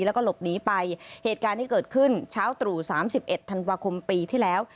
แล้วก็หลบหนีไปเหตุการณ์ที่เกิดขึ้นเช้าตรู่สามสิบเอ็ดธันวาคมปีที่แล้ว